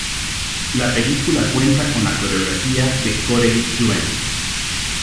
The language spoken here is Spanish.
La película cuenta con la coreografía de Corey Yuen.